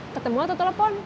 ketemu atau telepon